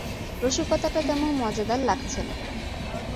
রসিকতাটা তেমন মজাদার লাগছে না!